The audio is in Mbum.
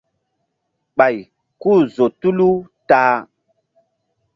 Ɓay ku-u zo tulu ta-a.